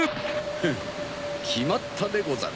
フッきまったでござる。